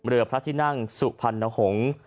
เรือพระที่นั่งสุพรรณหงษ์